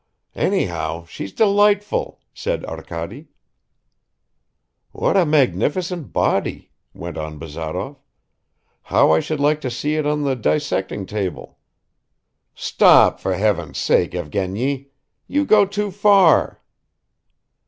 "Anyhow, she's delightful," said Arkady. "What a magnificent body," went on Bazarov. "How I should like to see it on the dissecting table." "Stop, for heaven's sake, Evgeny! You go too far!"